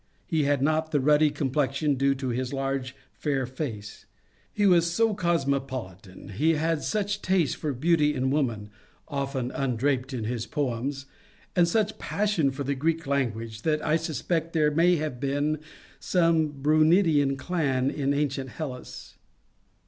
He had not the ruddy complexion due to his large and fair face ; he was so cosmopolitan, he had such taste for beauty in woman (often undraped in his poems), and such passion for the Greek language, that I suspect there may have been some Brunidean clan in ancient Hellas.